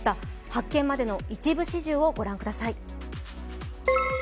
発見までの一部始終をご覧ください。